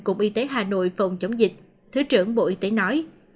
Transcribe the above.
cục y tế hà nội phòng chống dịch thứ trưởng bộ y tế nói